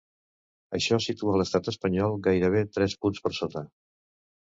Això situa l’estat espanyol gairebé tres punts per sota.